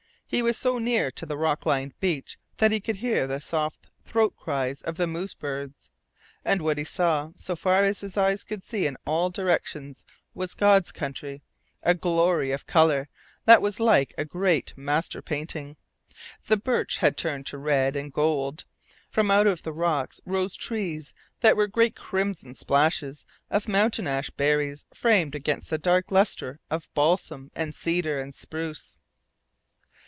He was so near to the rock lined beach that he could hear the soft throat cries of the moose birds. And what he saw, so far as his eyes could see in all directions, was "God's Country" a glory of colour that was like a great master painting. The birch had turned to red and gold. From out of the rocks rose trees that were great crimson splashes of mountain ash berries framed against the dark lustre of balsam and cedar and spruce.